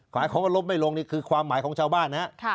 แล้วเขาก็ลมไม่ลงคือความหมายของเจ้าบ้านฮะ